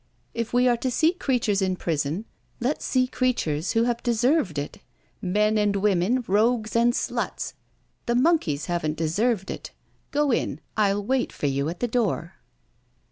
If we are to see creatures in prison, let's see creatures who have deserved it men and women, rogues and sluts. The monkeys haven't deserved it. Go in I'll wait for you at the door."